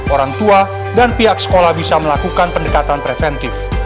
orang tua dan pihak sekolah bisa melakukan pendekatan preventif